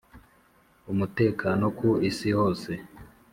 umutekano ku Isi hose